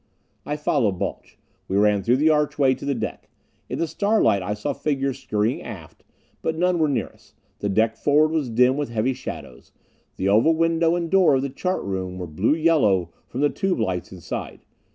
I followed Balch. We ran through the archway to the deck. In the starlight I saw figures scurrying aft, but none were near us. The deck forward was dim with heavy shadows. The oval window and door of the chart room were blue yellow from the tube lights inside.